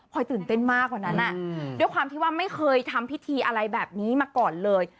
พอยตื่นเต้นมากกว่านั้นด้วยความที่ว่าไม่เคยทำพิธีอะไรแบบนี้มาก่อนเลย